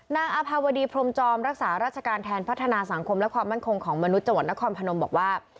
อาภาวดีพรมจอมรักษาราชการแทนพัฒนาสังคมและความมั่นคงของมนุษย์จังหวัดนครพนมบอกว่า